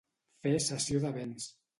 Fer cessió de béns.